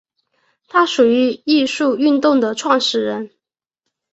他是艺术运动的始创人。